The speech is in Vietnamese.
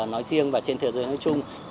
nói riêng và trên thế giới nói chung